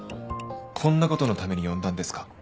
こんな事のために呼んだんですか？